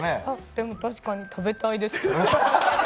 でも確かに食べたいです。